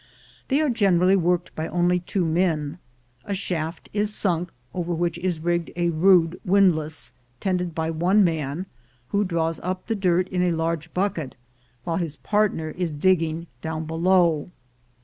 They are generally worked by only two men. A shaft is sunk, over which is rigged a rude windlass, tended by one man, who draws up the dirt in a large bucket while his partner is digging down below.